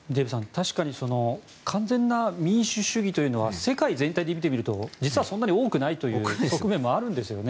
確かに完全な民主主義というのは世界全体で見てみると実はそんなに多くないという側面もあるんですよね。